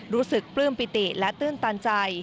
รู้สึกปลื้มปิติและตื่นตันใจ